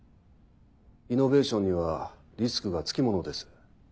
イノベーションにはリスクがつきものです。